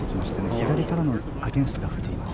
左からのアゲンストが吹いてきています。